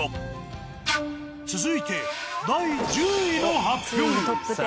続いて第１０位の発表。